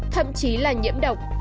thậm chí là nhiễm độc